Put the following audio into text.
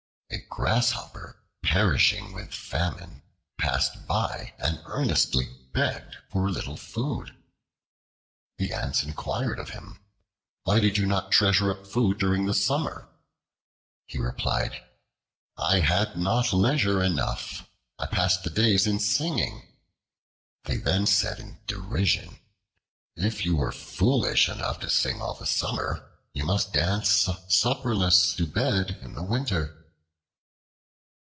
A Grasshopper, perishing with famine, passed by and earnestly begged for a little food. The Ants inquired of him, "Why did you not treasure up food during the summer?" He replied, "I had not leisure enough. I passed the days in singing." They then said in derision: "If you were foolish enough to sing all the summer, you must dance supperless to bed in the winter."